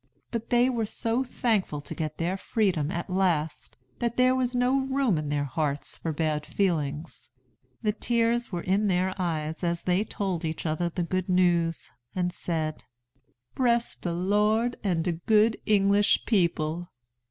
But they were so thankful to get their freedom at last, that there was no room in their hearts for bad feelings. The tears were in their eyes as they told each other the good news, and said, "Bress de Lord and de good English people."